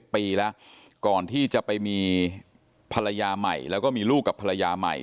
ปีแล้วก่อนที่จะไปมีภรรยาใหม่แล้วก็มีลูกกับภรรยาใหม่